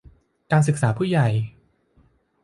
การศึกษาผู้ใหญ่